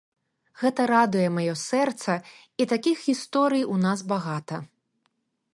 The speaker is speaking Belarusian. Гэта радуе маё сэрца, і такіх гісторый у нас багата.